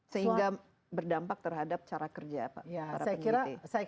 sehingga berdampak terhadap cara kerja para peneliti